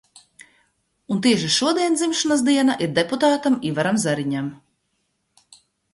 Un tieši šodien dzimšanas diena ir deputātam Ivaram Zariņam.